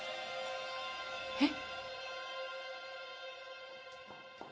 えっ？